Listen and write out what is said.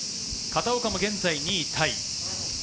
片岡も現在２位タイ。